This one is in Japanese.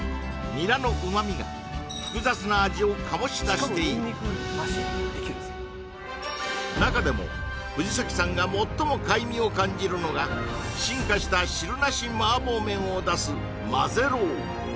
ニラの旨味が複雑な味を醸し出しているなかでも藤崎さんが最も怪味を感じるのが進化した汁なし麻婆麺を出す麻ぜろう